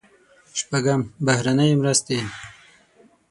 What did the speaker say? شپږم: بهرنۍ مرستې.